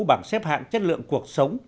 bảng xếp hạng chất lượng cuộc sống